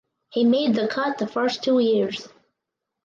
He made the cut the first two years.